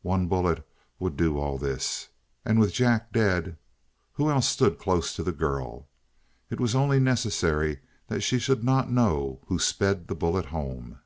One bullet would do all this: and with Jack dead, who else stood close to the girl? It was only necessary that she should not know who sped the bullet home.